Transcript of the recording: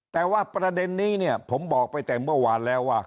แต่ว่าประเด็นนี้เนี่ยผมบอกไปแต่เมื่อวานแล้วว่า